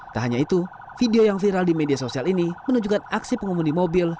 tak hanya itu video yang viral di media sosial ini menunjukkan aksi pengemudi mobil